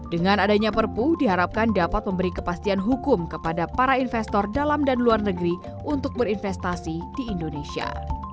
dengan adanya perpu diharapkan dapat memberi kepastian hukum kepada para investor dalam dan luar negeri untuk berinvestasi di indonesia